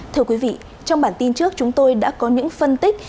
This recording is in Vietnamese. thưa quý vị trong bản tin trước chúng tôi đã có những phân tích